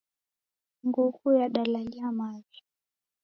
Nguku yadalalia maghi.